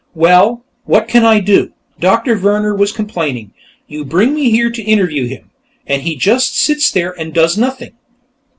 "Well, what can I do?" Doctor Vehrner was complaining. "You bring me here to interview him, and he just sits there and does nothing....